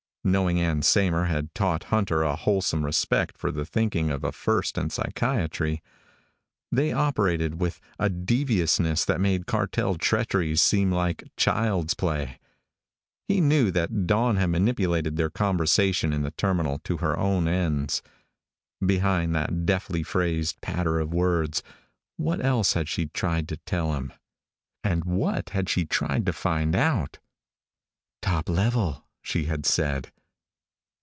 Knowing Ann Saymer had taught Hunter a wholesome respect for the thinking of a First in Psychiatry. They operated with a deviousness that made cartel treacheries seem like child's play. He knew that Dawn had manipulated their conversation in the terminal to her own ends. Behind that deftly phrased patter of words, what else had she tried to tell him? And what had she tried to find out? "Top level," she had said.